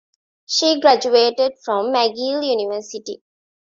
She graduated from McGill University.